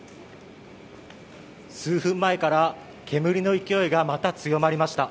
数分前から煙の勢いがまた強まりました。